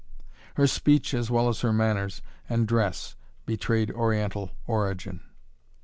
Her speech as well as her manners and dress betrayed Oriental origin.